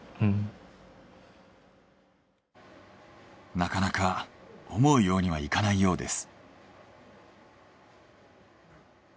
なかなか思うようにはいかないようです。